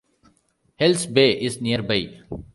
Hells Bay is nearby.